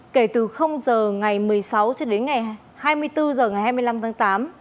kể từ giờ ngày một mươi sáu cho đến ngày hai mươi bốn h ngày hai mươi năm tháng tám